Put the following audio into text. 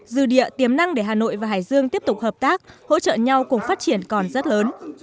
dư địa tiềm năng để hà nội và hải dương tiếp tục hợp tác hỗ trợ nhau cùng phát triển còn rất lớn